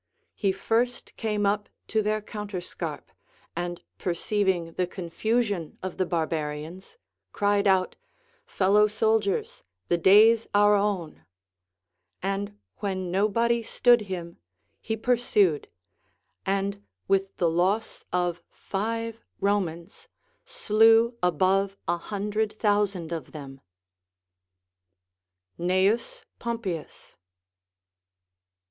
He first came up to their counterscarp, and perceiving the confusion of the barbarians, cried out, FelloAv soldiers, the day's our oavu ! And Avlien nobody stood him, he pursued, and, Avith the loss of five Romans, sleAv above a hundred thousand of them. Cn. Pompeius.